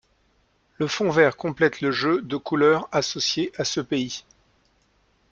Le fond vert complète le jeu de couleur associé à ce pays.